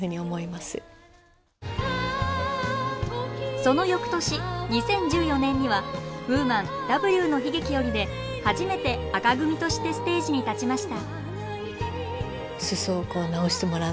その翌年２０１４年には「Ｗｏｍａｎ“Ｗの悲劇”より」で初めて紅組としてステージに立ちました。